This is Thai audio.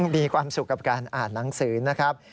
มีความสุขกับการอ่านหนังสือนะครับ